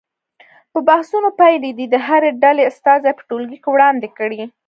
د بحثونو پایلې دې د هرې ډلې استازي په ټولګي کې وړاندې کړي.